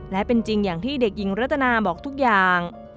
และเป็นจริงอย่างที่เด็กหญิงรัตนาบอกทุกอย่าง